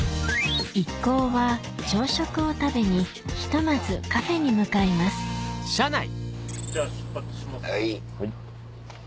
一行は朝食を食べにひとまずカフェに向かいますじゃあ出発します。